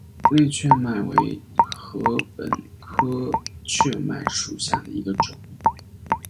类雀麦为禾本科雀麦属下的一个种。